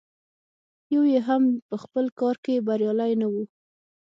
یو یې هم په خپل کار کې بریالی نه و.